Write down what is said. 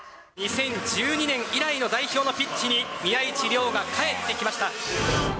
２０１２年以来の代表のピッチに、宮市亮が帰ってきました。